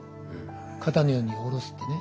肩の荷を下ろすってね。